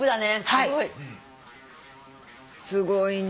すごいね。